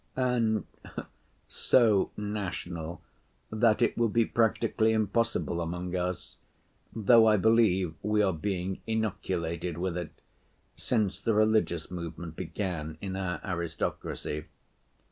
And so national that it would be practically impossible among us, though I believe we are being inoculated with it, since the religious movement began in our aristocracy.